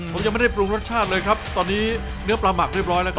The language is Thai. ผมยังไม่ได้ปรุงรสชาติเลยครับตอนนี้เนื้อปลาหมักเรียบร้อยแล้วครับ